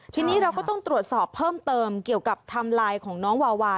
ทีนี้เราก็ต้องตรวจสอบเพิ่มเติมเกี่ยวกับไทม์ไลน์ของน้องวาวา